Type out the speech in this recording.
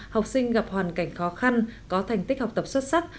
học sinh gặp hoàn cảnh khó khăn có thành tích học tập xuất sắc